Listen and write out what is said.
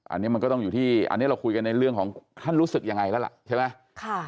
อันนี้มันก็ต้องอยู่ที่อันนี้เราคุยกันในเรื่องของท่านรู้สึกยังไงแล้วล่ะใช่ไหม